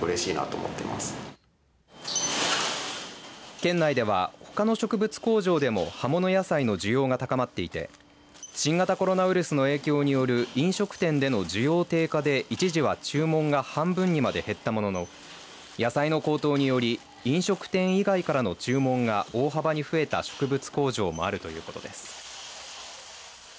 県内では、ほかの植物工場でも葉物野菜の需要が高まっていて新型コロナウイルスの影響による飲食店での需要低下で一時は注文が半分にまで減ったものの野菜の高騰により飲食店以外からの注文が大幅に増えた植物工場もあるということです。